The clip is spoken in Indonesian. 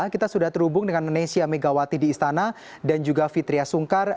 kita sudah terhubung dengan nesya megawati di istana dan juga fitriah sungkar